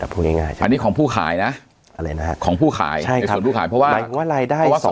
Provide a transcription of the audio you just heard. อันนี้ของผู้ขายนะของผู้ขาย